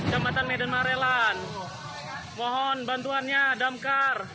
jembatan medan marelan mohon bantuannya damkar